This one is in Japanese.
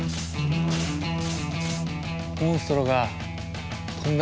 モンストロが飛んだ。